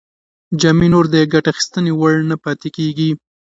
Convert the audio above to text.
جامې نور د ګټې اخیستنې وړ نه پاتې کیږي.